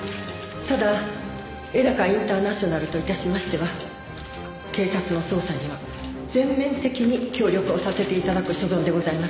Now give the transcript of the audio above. ただ絵高インターナショナルと致しましては警察の捜査には全面的に協力をさせて頂く所存でございます。